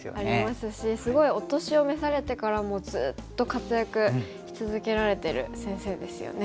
すごいお年を召されてからもずっと活躍し続けられてる先生ですよね。